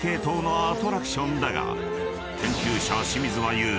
［研究者清水は言う。